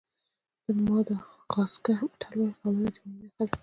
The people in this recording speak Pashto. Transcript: د ماداغاسکر متل وایي غمونه د مینې نښه ده.